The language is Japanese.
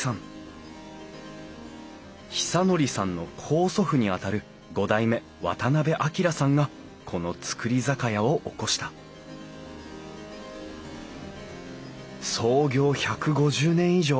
久憲さんの高祖父にあたる５代目渡章さんがこの造り酒屋を興した創業１５０年以上。